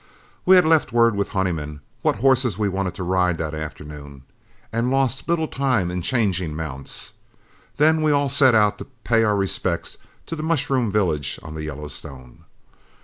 We had left word with Honeyman what horses we wanted to ride that afternoon, and lost little time in changing mounts; then we all set out to pay our respects to the mushroom village on the Yellowstone.